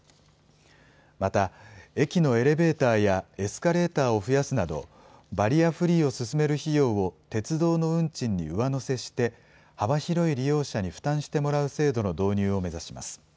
また、駅のエレベーターやエスカレーターを増やすなど、バリアフリーを進める費用を鉄道の運賃に上乗せして、幅広い利用者に負担してもらう制度の導入を目指します。